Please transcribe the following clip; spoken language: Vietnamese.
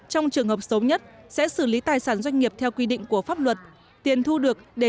trong trường hợp sớm nhất sẽ xử lý tài sản doanh nghiệp theo quy định của pháp luật tiền thu được để